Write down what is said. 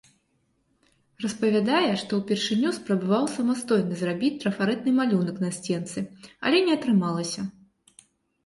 Распавядае, што ўпершыню спрабаваў самастойна зрабіць трафарэтны малюнак на сценцы, але не атрымалася.